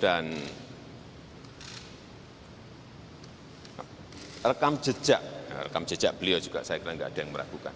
dan rekam jejak beliau juga saya kira tidak ada yang meragukan